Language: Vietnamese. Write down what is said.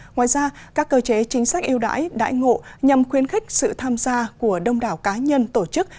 ngoài ra các cơ chế chính sách yêu đãi đại ngộ nhằm khuyến khích sự tham gia của đông đảo cá nhân tổ chức